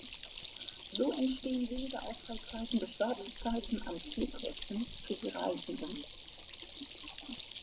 So entstehen weniger Ausfallzeiten durch Wartezeiten an Flughäfen für die Reisenden.